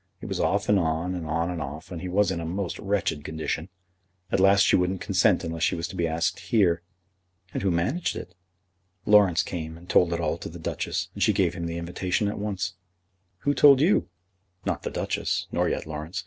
It was off and on, and on and off, and he was in a most wretched condition. At last she wouldn't consent unless she was to be asked here." "And who managed it?" "Laurence came and told it all to the Duchess, and she gave him the invitation at once." "Who told you?" "Not the Duchess, nor yet Laurence.